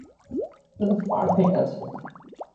এটা তো পারফ্যাক্ট আছে?